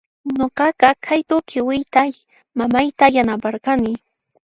Nuqaqa q'aytu khiwiyta mamayta yanaparqani.